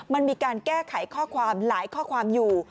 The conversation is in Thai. มันมีการแก้ไขข้อความหลายข้อความอยู่